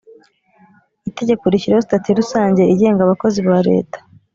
itegeko rishyiraho sitati rusange igenga abakozi ba leta